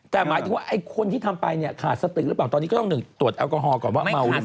แต่หมายถึงว่าไอ้คนที่ทำไปเนี่ยขาดสติหรือเปล่าตอนนี้ก็ต้องตรวจแอลกอฮอลก่อนว่าเมาหรือเปล่า